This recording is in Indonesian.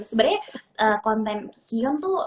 sebenarnya konten kion tuh